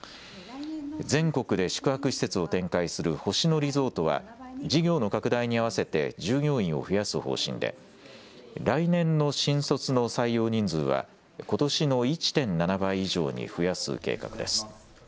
全国で宿泊施設を展開する星野リゾートは事業の拡大に合わせて従業員を増やす方針で来年の新卒の採用人数はことしの１．７倍以上に増やす計画です。